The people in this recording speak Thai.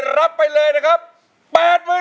รับไปเลยนะครับ๘๐๐๐๐บาทครับ